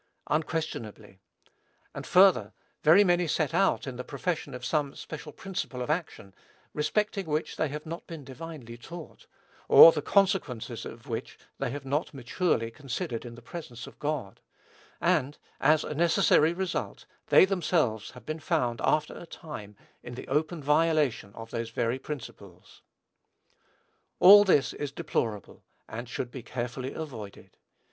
Unquestionably. And, further, very many set out in the profession of some special principle of action, respecting which they have not been divinely taught, or the consequences of which they have not maturely considered in the presence of God, and, as a necessary result, they themselves have been found after a time in the open violation of those very principles. All this is deplorable, and should be carefully avoided.